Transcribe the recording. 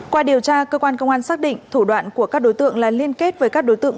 qua điều tra cơ quan công an xác định thủ đoạn của các đối tượng là liên kết với các đối tượng